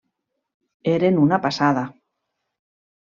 Eren una passada.